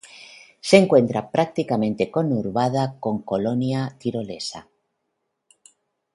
Se encuentra prácticamente conurbada con Colonia Tirolesa.